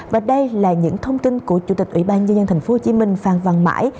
và đây là những thông tin của chủ tịch ủy ban nhân dân tp hcm phan văn mãi